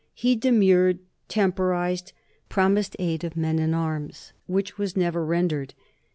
He demurred, temporized, promised aid of men and arms, which was never rendered.